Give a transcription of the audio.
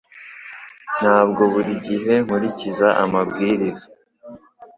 Ntabwo buri gihe nkurikiza amabwiriza